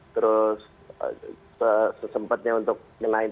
terus sesempatnya untuk nengahin